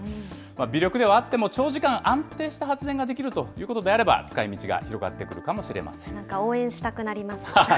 微力ではあっても、長時間、安定した発電ができるということであれば、使いみちが広がってくるかなんか応援したくなります。